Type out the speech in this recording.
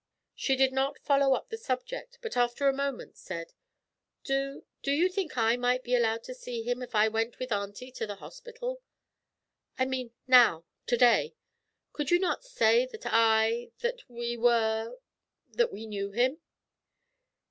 She did not follow up the subject, but after a moment said: 'Do do you think I might be allowed to see him if I went with auntie to the hospital? I mean now to day! Could you not say that I that we were that we knew him?'